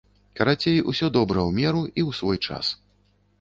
Карацей, усё добра ў меру і ў свой час.